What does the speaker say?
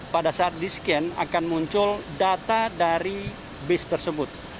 pada saat di scan akan muncul data dari base tersebut